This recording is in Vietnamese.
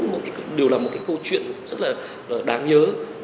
một cái điều là một cái câu chuyện rất là đáng nhớ